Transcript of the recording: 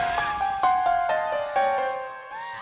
umi aku mau ke rumah